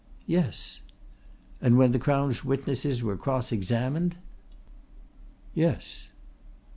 "Yes." "And when the Crown's witnesses were cross examined?" "Yes."